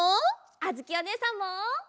あづきおねえさんも！